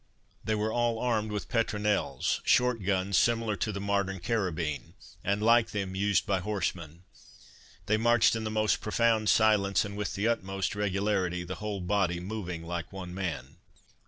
They were all armed with petronels, short guns similar to the modern carabine, and, like them, used by horsemen. They marched in the most profound silence and with the utmost regularity, the whole body moving like one man.